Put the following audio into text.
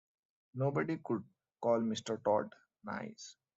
Nobody could call Mr Tod "nice."